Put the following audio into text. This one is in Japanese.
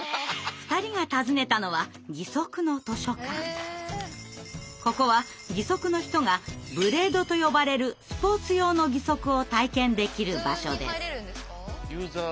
２人が訪ねたのはここは義足の人が「ブレード」と呼ばれるスポーツ用の義足を体験できる場所です。